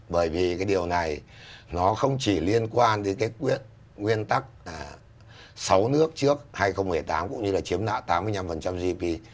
bởi vì cái điều này nó không chỉ liên quan đến cái quyết nguyên tắc sáu nước trước hai nghìn một mươi tám cũng như là chiếm nã tám mươi năm gdp